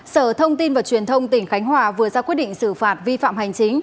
sở thông tin và truyền thông tỉnh khánh hòa vừa ra quyết định xử phạt vi phạm hành chính